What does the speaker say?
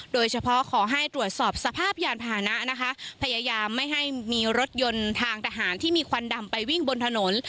โดยเฉพาะขอให้ตรวจสอบสภาพยานพาหนะนะคะพยายามไม่ให้มีรถยนต์ทางทหารที่มีควันดำไปวิ่งบนถนน